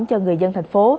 cho người dân thành phố